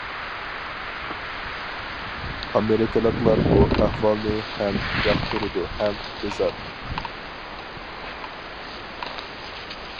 ئامېرىكىلىقلار بۇ ئەھۋالنى ھەم ياقتۇرىدۇ ھەم بىزار.